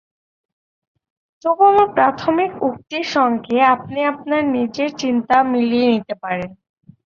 তবু আমার প্রাথমিক উক্তির সঙ্গে আপনি আপনার নিজের চিন্তা মিলিয়ে নিতে পারেন।